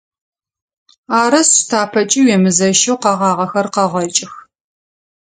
Арышъ, тапэкӏи уемызэщэу къэгъагъэхэр къэгъэкӏых.